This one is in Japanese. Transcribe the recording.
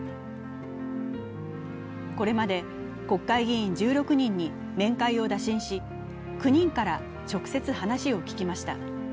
これまで国会議員１６人に面会を打診し、９人から直接話を聞きました。